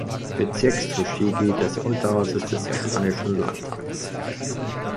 Bezirks Tochigi des Unterhauses des japanischen Landtags.